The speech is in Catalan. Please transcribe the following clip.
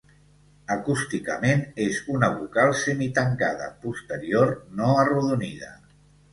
Acústicament, és una "vocal semitancada posterior no arrodonida".